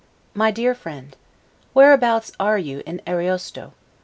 MY DEAR FRIEND: Whereabouts are you in Ariosto?